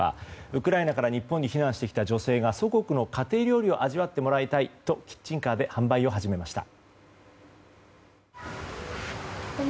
ウクライナから日本に避難してきた女性が祖国の家庭料理を味わってもらいたいとキッチンカーで販売を始めました。